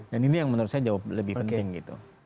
dan ini yang menurut saya lebih penting gitu